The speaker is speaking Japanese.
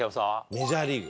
メジャーリーグ。